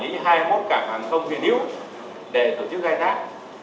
chính phủ đang giao cho acv quản lý hai mươi một cảng hàng không việt hiếu để tổ chức khai thác